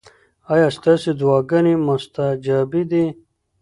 ایا ستاسو دعاګانې مستجابې دي؟